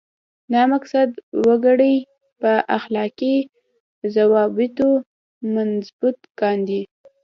دا مقصد وګړي په اخلاقي ضوابطو منضبط کاندي.